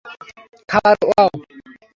খাবার - ওয়াও!